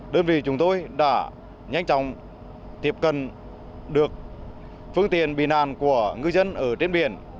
đơn vị chúng tôi đã nhanh chóng tiếp cận được phương tiện bị nạn của ngư dân ở trên biển